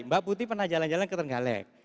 mbak putih pernah jalan jalan ke terenggalek